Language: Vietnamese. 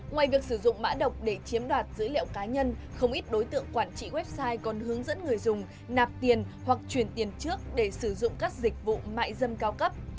ngoài việc sử dụng mã độc để chiếm đoạt dữ liệu cá nhân không ít đối tượng quản trị website còn hướng dẫn người dùng nạp tiền hoặc chuyển tiền trước để sử dụng các dịch vụ mại dâm cao cấp